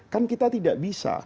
kan kita tidak bisa